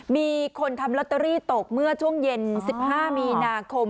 มีคนทำลอตเตอรี่ตกเมื่อช่วงเย็น๑๕มีนาคม